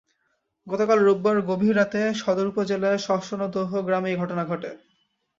গতকাল রোববার গভীর রাতে সদর উপজেলার শশনোদাহ গ্রামে এ ঘটনা ঘটে।